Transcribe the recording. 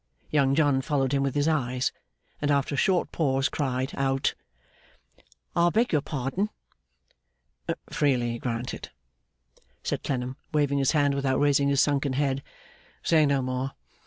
Young John followed him with his eyes, and, after a short pause, cried out, 'I beg your pardon!' 'Freely granted,' said Clennam, waving his hand without raising his sunken head. 'Say no more.